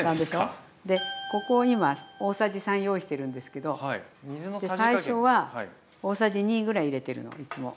でここに今大さじ３用意してるんですけど最初は大さじ２ぐらい入れてるのいつも。